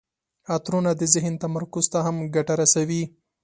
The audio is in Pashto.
عطرونه د ذهن تمرکز ته هم ګټه رسوي.